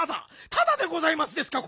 タダでございますですか？